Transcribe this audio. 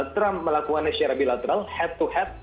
trump melakukannya secara bilateral head to head